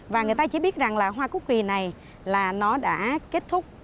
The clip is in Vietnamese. và người ta chỉ biết rằng là hoa cúc quỳ này là nó đã kết thúc